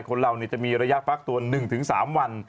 คนเราจะมีระยะฟักตัว๑๓วัน